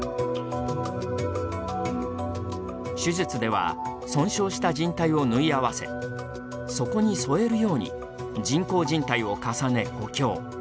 手術では損傷したじん帯を縫い合わせそこに添えるように人工じん帯を重ね補強。